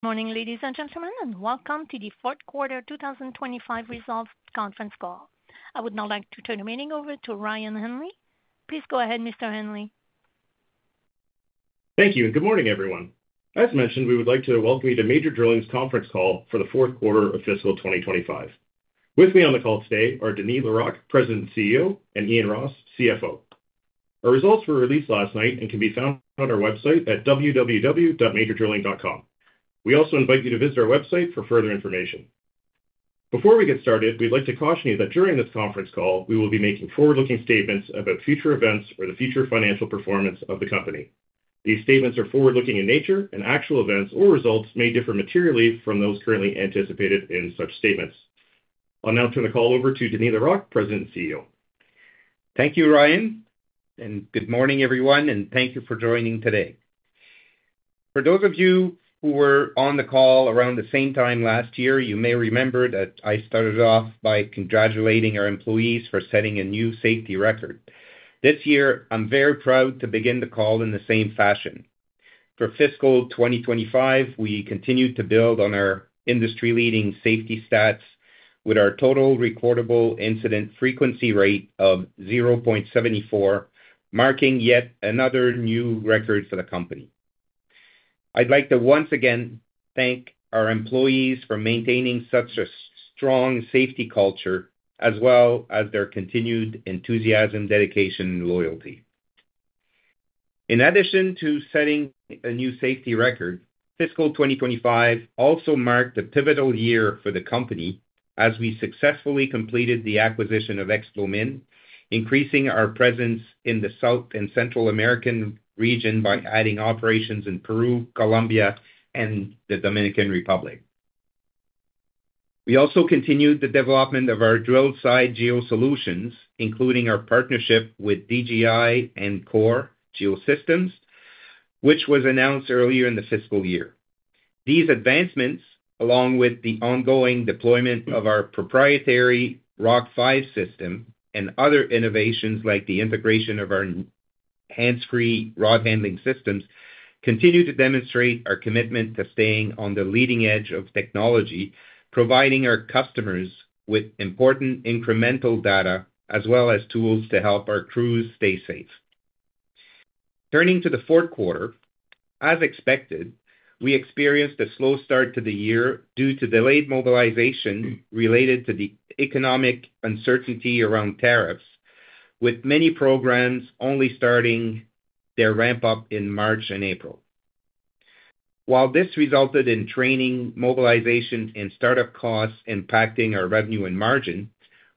Good morning, ladies and gentlemen, and welcome to the fourth quarter 2025 results conference call. I would now like to turn the meeting over to Ryan Hanley. Please go ahead, Mr. Hanley. Thank you, and good morning, everyone. As mentioned, we would like to welcome you to Major Drilling's conference call for the fourth quarter of fiscal 2025. With me on the call today are Denis Larocque, President and CEO, and Ian Ross, CFO. Our results were released last night and can be found on our website at www.majordrilling.com. We also invite you to visit our website for further information. Before we get started, we'd like to caution you that during this conference call, we will be making forward-looking statements about future events or the future financial performance of the company. These statements are forward-looking in nature, and actual events or results may differ materially from those currently anticipated in such statements. I'll now turn the call over to Denis Larocque, President and CEO. Thank you, Ryan, and good morning, everyone, and thank you for joining today. For those of you who were on the call around the same time last year, you may remember that I started off by congratulating our employees for setting a new safety record. This year, I'm very proud to begin the call in the same fashion. For fiscal 2025, we continue to build on our industry-leading safety stats with our total recordable incident frequency rate of 0.74, marking yet another new record for the company. I'd like to once again thank our employees for maintaining such a strong safety culture, as well as their continued enthusiasm, dedication, and loyalty. In addition to setting a new safety record, fiscal 2025 also marked a pivotal year for the company as we successfully completed the acquisition of Explomin, increasing our presence in the South and Central American region by adding operations in Peru, Colombia, and the Dominican Republic. We also continued the development of our drill site geo-solutions, including our partnership with DGI and KORE GeoSystems, which was announced earlier in the fiscal year. These advancements, along with the ongoing deployment of our proprietary Rock5 system and other innovations like the integration of our hands-free rod handling systems, continue to demonstrate our commitment to staying on the leading edge of technology, providing our customers with important incremental data as well as tools to help our crews stay safe. Turning to the fourth quarter, as expected, we experienced a slow start to the year due to delayed mobilization related to the economic uncertainty around tariffs, with many programs only starting their ramp-up in March and April. While this resulted in training, mobilization, and startup costs impacting our revenue and margin,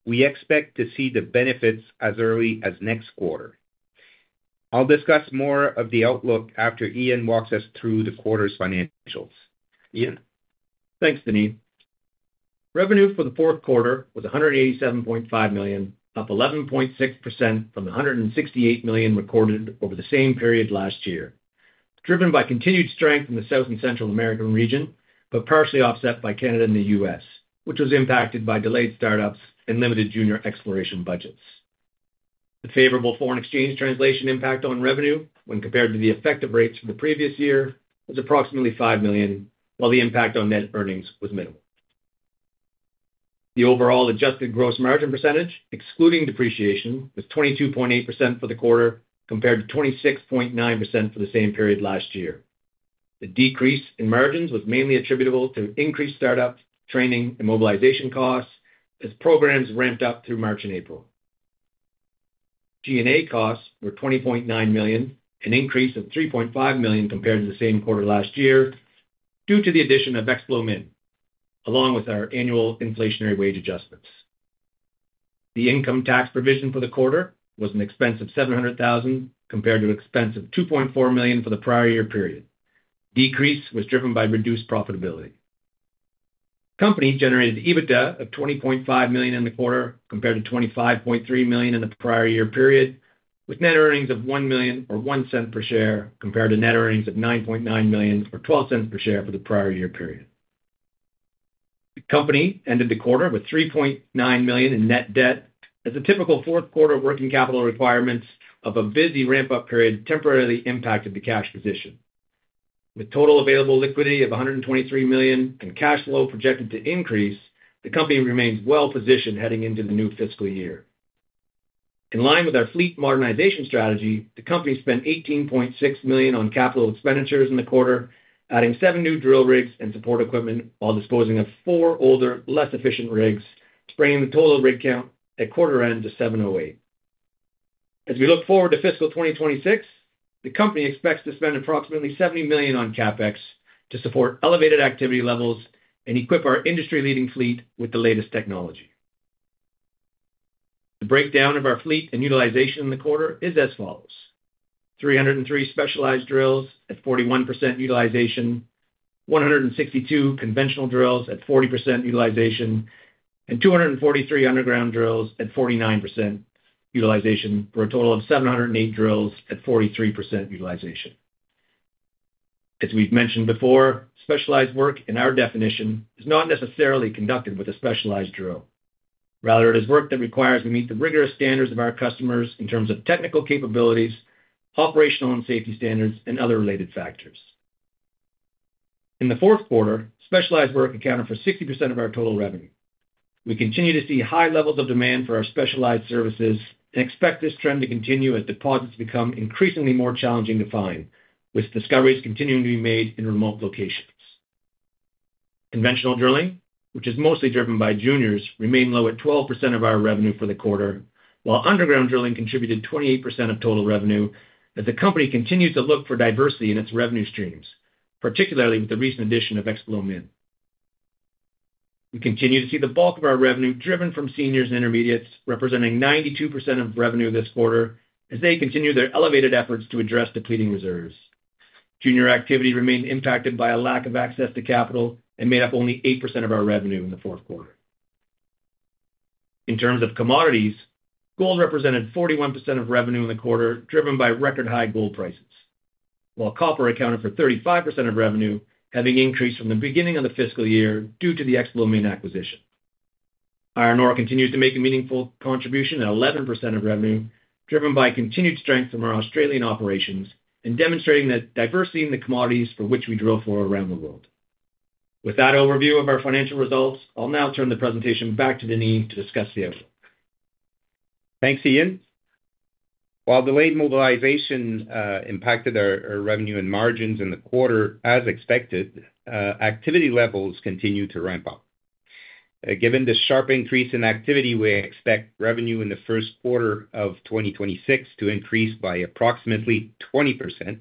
we expect to see the benefits as early as next quarter. I'll discuss more of the outlook after Ian walks us through the quarter's financials. Ian. Thanks, Denis. Revenue for the fourth quarter was $187.5 million, up 11.6% from the $168 million recorded over the same period last year, driven by continued strength in the South and Central American region but partially offset by Canada and the U.S., which was impacted by delayed startups and limited junior exploration budgets. The favorable foreign exchange translation impact on revenue, when compared to the effective rates for the previous year, was approximately $5 million, while the impact on net earnings was minimal. The overall adjusted gross margin percentage, excluding depreciation, was 22.8% for the quarter, compared to 26.9% for the same period last year. The decrease in margins was mainly attributable to increased startup, training, and mobilization costs as programs ramped up through March and April. G&A costs were $20.9 million, an increase of $3.5 million compared to the same quarter last year due to the addition of Explomin, along with our annual inflationary wage adjustments. The income tax provision for the quarter was an expense of $700,000 compared to an expense of $2.4 million for the prior year period. The decrease was driven by reduced profitability. The company generated EBITDA of $20.5 million in the quarter compared to $25.3 million in the prior year period, with net earnings of $1 million or $0.01 per share compared to net earnings of $9.9 million or $0.12 per share for the prior year period. The company ended the quarter with $3.9 million in net debt, as the typical fourth quarter working capital requirements of a busy ramp-up period temporarily impacted the cash position. With total available liquidity of $123 million and cash flow projected to increase, the company remains well-positioned heading into the new fiscal year. In line with our fleet modernization strategy, the company spent $18.6 million on CapEx in the quarter, adding seven new drill rigs and support equipment while disposing of four older, less efficient rigs, bringing the total rig count at quarter-end to 708. As we look forward to fiscal 2026, the company expects to spend approximately $70 million on CapEx to support elevated activity levels and equip our industry-leading fleet with the latest technology. The breakdown of our fleet and utilization in the quarter is as follows: 303 specialized drills at 41% utilization, 162 conventional drills at 40% utilization, and 243 underground drills at 49% utilization, for a total of 708 drills at 43% utilization. As we've mentioned before, specialized work, in our definition, is not necessarily conducted with a specialized drill. Rather, it is work that requires we meet the rigorous standards of our customers in terms of technical capabilities, operational and safety standards, and other related factors. In the fourth quarter, specialized work accounted for 60% of our total revenue. We continue to see high levels of demand for our specialized services and expect this trend to continue as deposits become increasingly more challenging to find, with discoveries continuing to be made in remote locations. Conventional drilling, which is mostly driven by juniors, remained low at 12% of our revenue for the quarter, while underground drilling contributed 28% of total revenue as the company continues to look for diversity in its revenue streams, particularly with the recent addition of Explomin. We continue to see the bulk of our revenue driven from seniors and intermediates, representing 92% of revenue this quarter as they continue their elevated efforts to address depleting reserves. Junior activity remained impacted by a lack of access to capital and made up only 8% of our revenue in the fourth quarter. In terms of commodities, gold represented 41% of revenue in the quarter, driven by record-high gold prices, while copper accounted for 35% of revenue, having increased from the beginning of the fiscal year due to the Explomin acquisition. Iron ore continues to make a meaningful contribution at 11% of revenue, driven by continued strength from our Australian operations and demonstrating the diversity in the commodities for which we drill for around the world. With that overview of our financial results, I'll now turn the presentation back to Denis to discuss the outlook. Thanks, Ian. While delayed mobilization impacted our revenue and margins in the quarter, as expected, activity levels continued to ramp up. Given the sharp increase in activity, we expect revenue in the first quarter of 2026 to increase by approximately 20%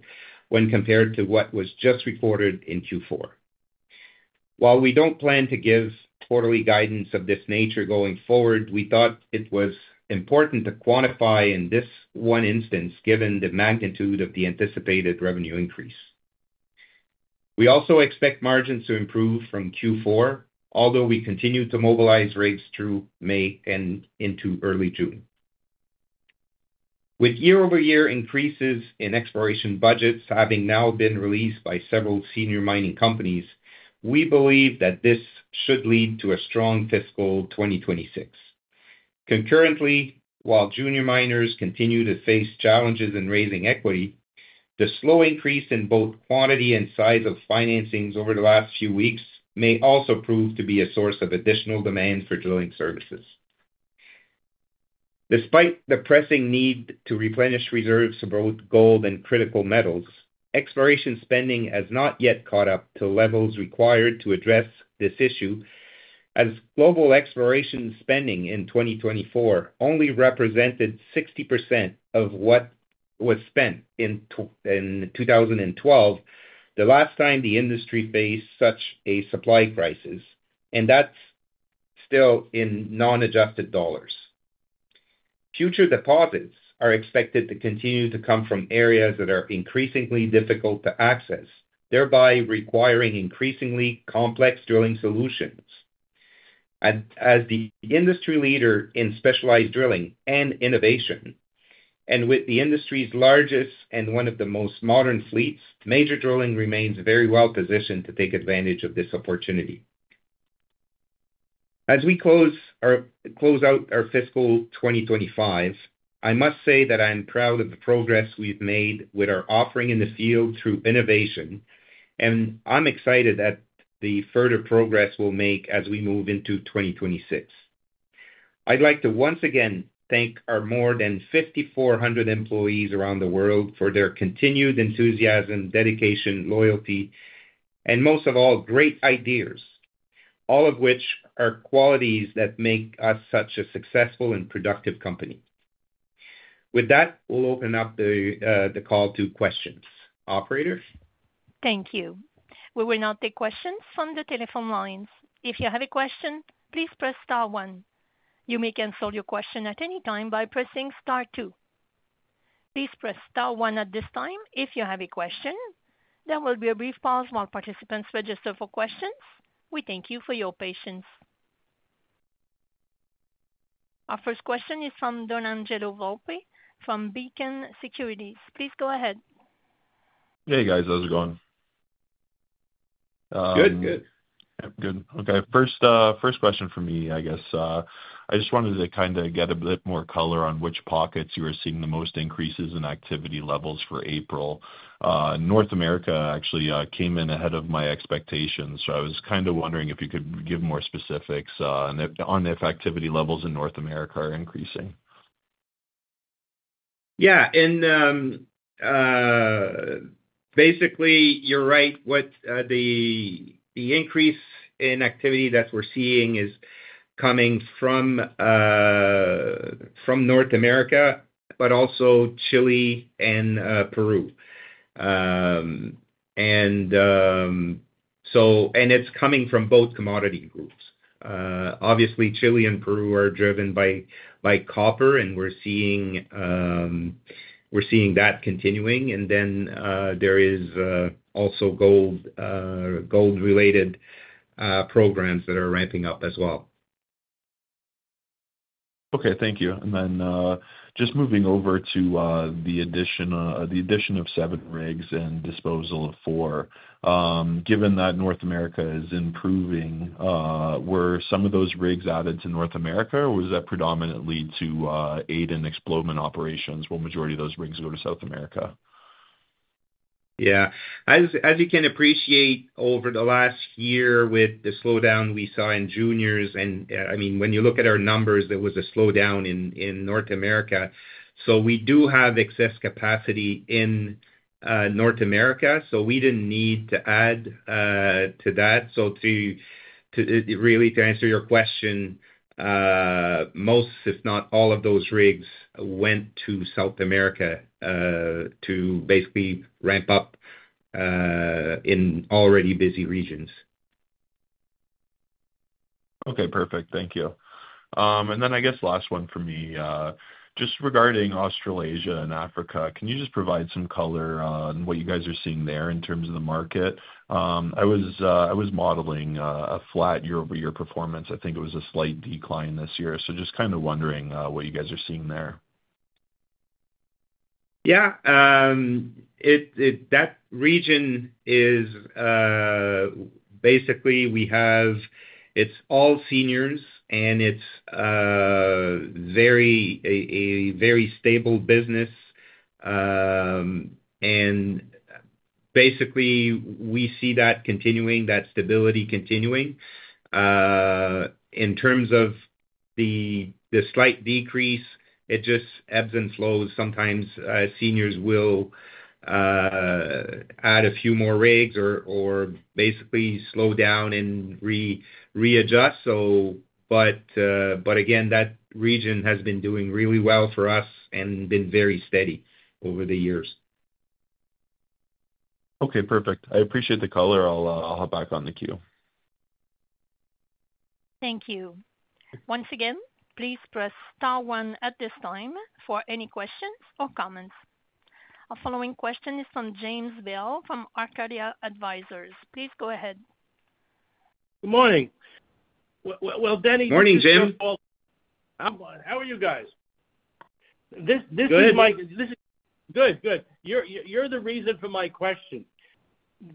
when compared to what was just reported in Q4. While we don't plan to give quarterly guidance of this nature going forward, we thought it was important to quantify in this one instance, given the magnitude of the anticipated revenue increase. We also expect margins to improve from Q4, although we continue to mobilize rigs through May and into early June. With year-over-year increases in exploration budgets having now been released by several senior mining companies, we believe that this should lead to a strong fiscal 2026. Concurrently, while junior miners continue to face challenges in raising equity, the slow increase in both quantity and size of financings over the last few weeks may also prove to be a source of additional demand for drilling services. Despite the pressing need to replenish reserves of both gold and critical metals, exploration spending has not yet caught up to levels required to address this issue. As global exploration spending in 2024 only represented 60% of what was spent in 2012, the last time the industry faced such a supply crisis, and that's still in non-adjusted dollars. Future deposits are expected to continue to come from areas that are increasingly difficult to access, thereby requiring increasingly complex drilling solutions. As the industry leader in specialized drilling and innovation, and with the industry's largest and one of the most modern fleets, Major Drilling remains very well-positioned to take advantage of this opportunity. As we close out our fiscal 2025, I must say that I'm proud of the progress we've made with our offering in the field through innovation, and I'm excited at the further progress we'll make as we move into 2026. I'd like to once again thank our more than 5,400 employees around the world for their continued enthusiasm, dedication, loyalty, and most of all, great ideas, all of which are qualities that make us such a successful and productive company. With that, we'll open up the call to questions. Operator. Thank you. We will now take questions from the telephone lines. If you have a question, please press Star 1. You may cancel your question at any time by pressing Star 2. Please press Star 1 at this time if you have a question. There will be a brief pause while participants register for questions. We thank you for your patience. Our first question is from Donangelo Volpe from Beacon Securities. Please go ahead. Hey, guys. How's it going? Good, good. Good. Okay. First question for me, I guess. I just wanted to kind of get a bit more color on which pockets you were seeing the most increases in activity levels for April. North America actually came in ahead of my expectations, so I was kind of wondering if you could give more specifics on if activity levels in North America are increasing. Yeah. Basically, you're right. The increase in activity that we're seeing is coming from North America, but also Chile and Peru. It's coming from both commodity groups. Obviously, Chile and Peru are driven by copper, and we're seeing that continuing. There are also gold-related programs that are ramping up as well. Okay. Thank you. Then just moving over to the addition of seven rigs and disposal of four. Given that North America is improving, were some of those rigs added to North America, or was that predominantly to aid in exploration operations while the majority of those rigs go to South America? Yeah. As you can appreciate, over the last year, with the slowdown we saw in juniors and, I mean, when you look at our numbers, there was a slowdown in North America. We do have excess capacity in North America, so we did not need to add to that. Really, to answer your question, most, if not all, of those rigs went to South America to basically ramp up in already busy regions. Okay. Perfect. Thank you. I guess last one for me. Just regarding Australasia and Africa, can you just provide some color on what you guys are seeing there in terms of the market? I was modeling a flat year-over-year performance. I think it was a slight decline this year. Just kind of wondering what you guys are seeing there. Yeah. That region is basically we have, it's all seniors, and it's a very stable business. Basically, we see that continuing, that stability continuing. In terms of the slight decrease, it just ebbs and flows. Sometimes seniors will add a few more rigs or basically slow down and readjust. Again, that region has been doing really well for us and been very steady over the years. Okay. Perfect. I appreciate the color. I'll hop back on the queue. Thank you. Once again, please press Star 1 at this time for any questions or comments. Our following question is from James Bell from Arcadia Advisors. Please go ahead. Good morning. Denis. Morning, Jim. How are you guys? This is. Good. Good. Good. You're the reason for my question.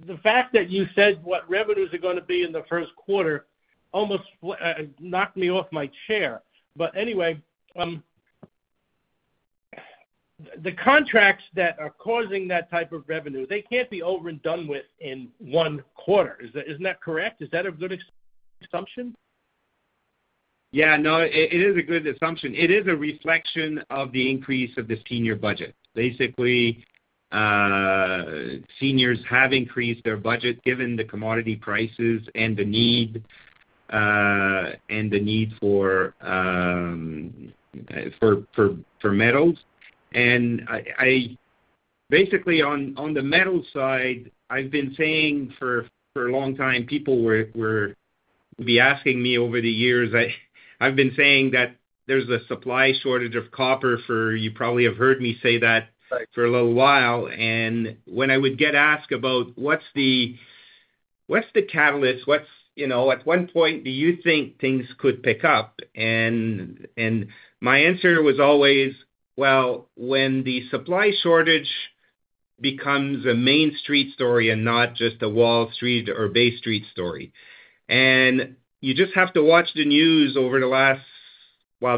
The fact that you said what revenues are going to be in the first quarter almost knocked me off my chair. Anyway, the contracts that are causing that type of revenue, they can't be over and done with in one quarter. Isn't that correct? Is that a good assumption? Yeah. No, it is a good assumption. It is a reflection of the increase of the senior budget. Basically, seniors have increased their budget given the commodity prices and the need for metals. Basically, on the metal side, I've been saying for a long time, people would be asking me over the years. I've been saying that there's a supply shortage of copper. You probably have heard me say that for a little while. When I would get asked about what's the catalyst, at one point, do you think things could pick up? My answer was always, when the supply shortage becomes a Main Street story and not just a Wall Street or Bay Street story. You just have to watch the news over the last,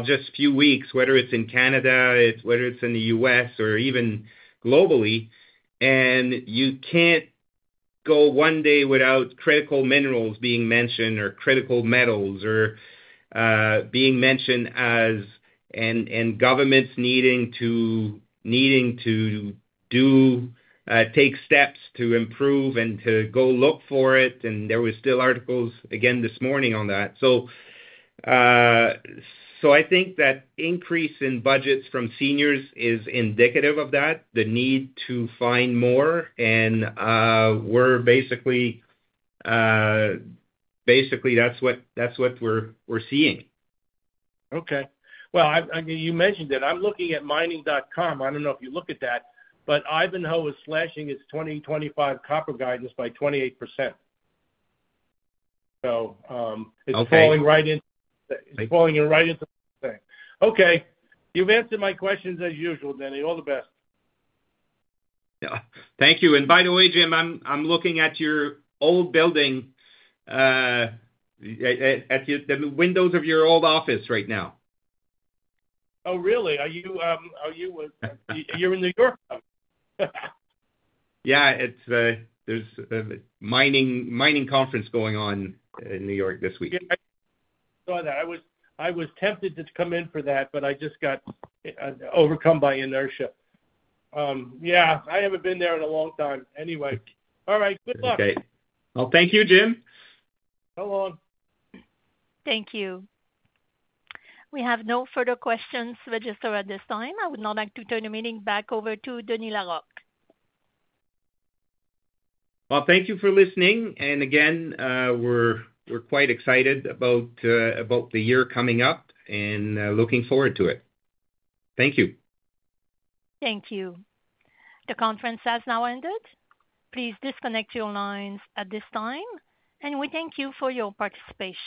just a few weeks, whether it's in Canada, whether it's in the U.S., or even globally. You can't go one day without critical minerals being mentioned or critical metals being mentioned and governments needing to take steps to improve and to go look for it. There were still articles again this morning on that. I think that increase in budgets from seniors is indicative of that, the need to find more. Basically, that's what we're seeing. Okay. You mentioned it. I'm looking at Mining.com. I don't know if you look at that, but Ivanhoe is slashing its 2025 copper guidance by 28%. It is falling right into the thing. You have answered my questions as usual, Denis. All the best. Yeah. Thank you. By the way, Jim, I'm looking at your old building, the windows of your old office right now. Oh, really? You're in New York? Yeah. There's a mining conference going on in New York this week. I saw that. I was tempted to come in for that, but I just got overcome by inertia. Yeah. I haven't been there in a long time. Anyway, all right. Good luck. Okay. Thank you, Jim. So long. Thank you. We have no further questions registered at this time. I would now like to turn the meeting back over to Denis Larocque. Thank you for listening. Again, we're quite excited about the year coming up and looking forward to it. Thank you. Thank you. The conference has now ended. Please disconnect your lines at this time, and we thank you for your participation.